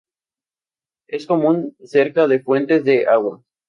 Es común cerca de fuentes de agua.